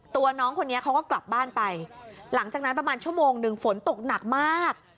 ตัวน้องคนนี้เขาก็กลับบ้านไปหลังจากนั้นประมาณชั่วโมงหนึ่งฝนตกหนักมาก